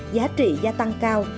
giá trị gia tăng cao